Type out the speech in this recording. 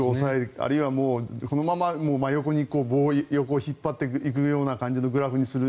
あるいはこのまま真横に棒を横に引っ張っていく感じのグラフにする。